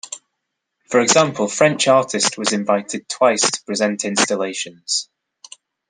For example, French artist was invited, twice, to present installations.